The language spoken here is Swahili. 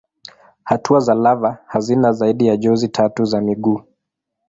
Hatua za lava hazina zaidi ya jozi tatu za miguu.